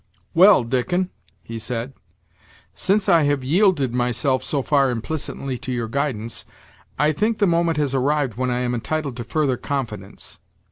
"Well, Dickon," he said, "since I have yielded myself so far implicitly to your guidance, I think the moment has arrived when I am entitled to further confidence.